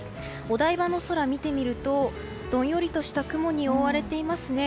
お台場の空を見てみるとどんよりとした雲に覆われていますね。